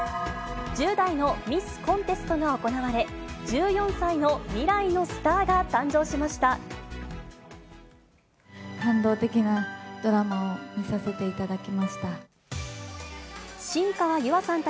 １０代のミスコンテストが行われ、１４歳の未来のスターが誕生しました。